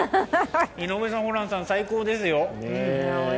井上さん、ホランさん最高ですよ。